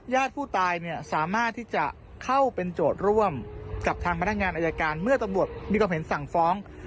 ญาติผู้ตายเนี่ยสามารถที่จะเข้าเป็นโจทย์ร่วมกับทางพนักงานอายการเมื่อตำรวจมีความเห็นสั่งฟ้อง